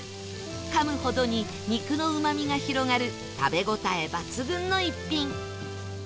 かむほどに肉のうまみが広がる食べ応え抜群の逸品